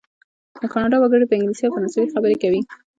د کانادا وګړي په انګلیسي او فرانسوي خبرې کوي.